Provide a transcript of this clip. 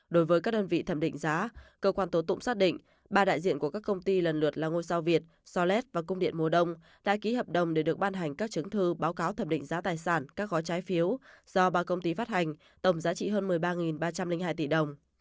đối với các đơn vị thẩm định giá cơ quan tố tụng xác định ba đại diện của các công ty lần lượt là ngôi sao việt solet và cung điện mùa đông đã ký hợp đồng để được ban hành các chứng thư báo cáo thẩm định giá tài sản các gói trái phiếu do ba công ty phát hành tổng giá trị hơn một mươi ba ba trăm linh hai tỷ đồng